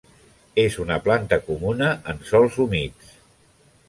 És una planta comuna en sòls humits.